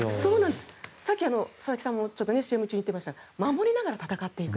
さっき佐々木さんもＣＭ中に言っていましたが守りながら戦っていく。